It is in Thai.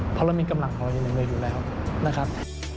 เพราะเรามีกำลังของเรายังไม่อยู่แล้วนะครับ